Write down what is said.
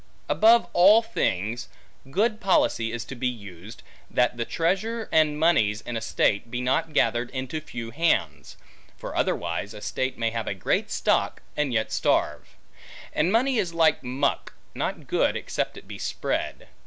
Above all things, good policy is to be used, that the treasure and moneys, in a state, be not gathered into few hands. For otherwise a state may have a great stock, and yet starve. And money is like muck, not good except it be spread.